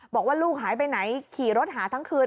บอกว่าลูกหายไปไหนขี่รถหาทั้งคืน